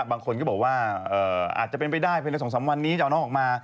บางคนก็บอกว่าอาจจะเป็นไปได้ภายใน๒๓วันนี้จะเอาน้องออกมา